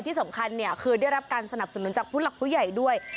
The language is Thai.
ที่สำคัญเนี่ยคือได้รับการสนับสนุนจากผู้หลักผู้ใหญ่ด้วย